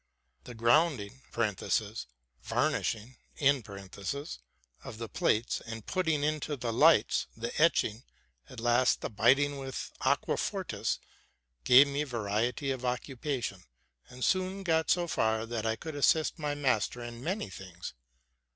The grounding (varnishing) of the plates, the putting in the high lights, the etching, and at last the biting with aquafor tis, gave me variety of occupation; and I soon got so far that I could assist my master in many things.